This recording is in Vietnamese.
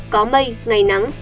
có mây ngày nắng